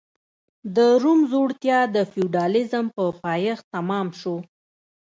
د روم ځوړتیا د فیوډالېزم په پایښت تمام شو.